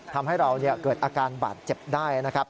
ทำให้เราเกิดอาการบาดเจ็บได้นะครับ